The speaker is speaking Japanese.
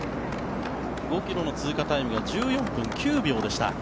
５ｋｍの通過タイムが１４分９秒でした。